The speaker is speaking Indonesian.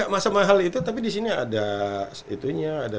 masa mahal itu tapi disini ada